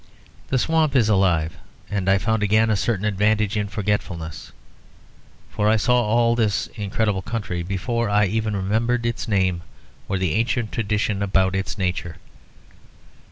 The swamp is alive. And I found again a certain advantage in forgetfulness; for I saw all this incredible country before I even remembered its name, or the ancient tradition about its nature.